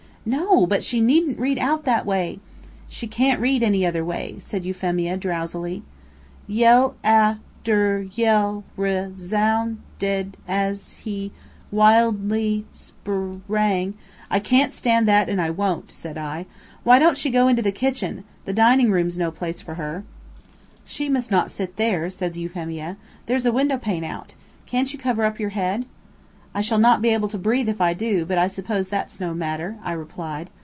"No; but she needn't read out that way." "She can't read any other way," said Euphemia, drowsily. "Yell af ter yell res oun ded as he wil dly spr rang " "I can't stand that, and I won't," said I. "Why don't she go into the kitchen? the dining room's no place for her." "She must not sit there," said Euphemia. "There's a window pane out. Can't you cover up your head?" "I shall not be able to breathe if I do; but I suppose that's no matter," I replied.